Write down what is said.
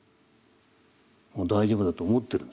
もう大丈夫だと思ってるんです。